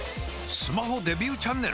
スマホデビューチャンネル！？